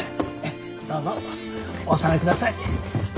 どうぞお納めください。